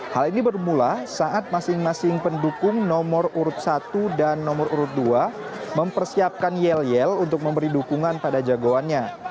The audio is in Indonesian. hal ini bermula saat masing masing pendukung nomor urut satu dan nomor urut dua mempersiapkan yel yel untuk memberi dukungan pada jagoannya